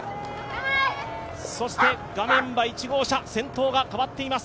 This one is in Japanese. そして１号車、先頭が変わっています。